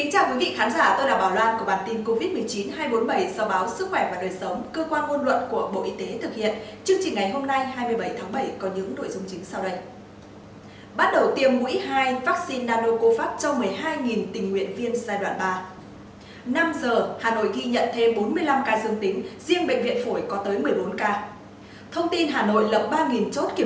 hãy đăng ký kênh để ủng hộ kênh của chúng mình nhé